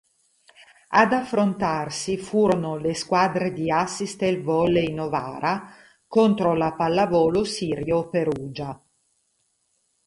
Ad affrontarsi furono le squadre di Asystel Volley Novara contro la Pallavolo Sirio Perugia.